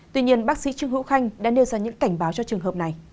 tuy nhiên bác sĩ trương hữu khanh đã nêu ra những cảnh báo cho trường hợp này